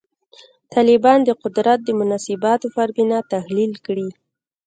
طالبان د قدرت د مناسباتو پر بنا تحلیل کړي.